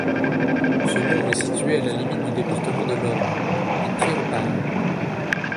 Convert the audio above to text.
Ce mont est situé à la limite du département de l'Orne, à Pré-en-Pail.